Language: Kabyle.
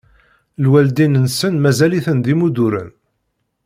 Lwaldin-nsen mazal-iten d imudduren.